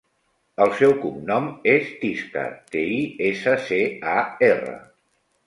El seu cognom és Tiscar: te, i, essa, ce, a, erra.